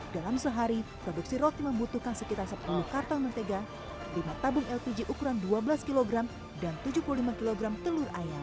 dalam sehari produksi roti membutuhkan sekitar sepuluh kartel mentega lima tabung lpg ukuran dua belas kg dan tujuh puluh lima kg telur ayam